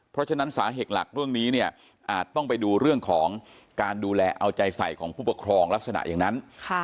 เพราะฉะนั้นสาเหตุหลักเรื่องนี้เนี่ยอาจต้องไปดูเรื่องของการดูแลเอาใจใส่ของผู้ปกครองลักษณะอย่างนั้น